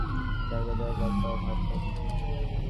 তিনি বিরতির মধ্যে হালকা ঝিমুনি দেওয়ার জায়গার বড্ড অভাব বোধ করতেন।